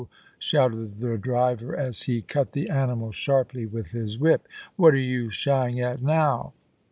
shouted the driver, as he cut the animals sharply with his whip. *What are you shying at now?'